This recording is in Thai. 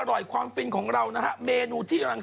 จากกระแสของละครกรุเปสันนิวาสนะฮะ